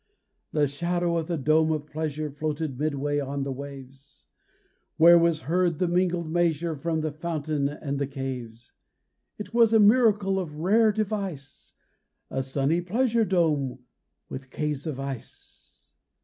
The shadow of the dome of pleasure Floated midway on the waves; Where was heard the mingled measure From the fountain and the caves. It was a miracle of rare device, A sunny pleasure dome with caves of ice!